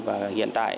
và hiện tại